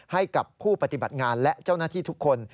ให้กับผู้ปฏิบัติงานและเจ้าหน้าที่ทุกคน